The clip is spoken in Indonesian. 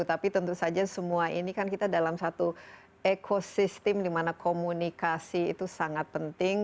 tapi tentu saja semua ini kan kita dalam satu ekosistem dimana komunikasi itu sangat penting